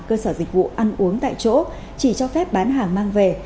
cơ sở dịch vụ ăn uống tại chỗ chỉ cho phép bán hàng mang về